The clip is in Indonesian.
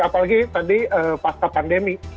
apalagi tadi pasca pandemi